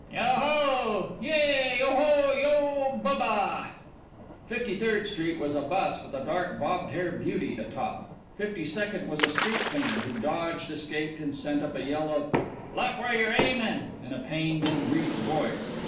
"Yo ho! Yea! Yoho! Yo buba!" Fifty third Street was a bus with a dark, bobbed hair beauty atop; Fifty second was a street cleaner who dodged, escaped, and sent up a yell of, "Look where you're aimin'!" in a pained and grieved voice.